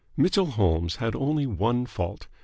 Mitchell Holmes had only one fault.